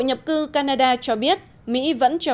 nhập cư canada cho biết mỹ vẫn cho